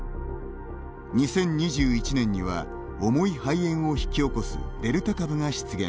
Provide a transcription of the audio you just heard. ２０２１年には、重い肺炎を引き起こすデルタ株が出現。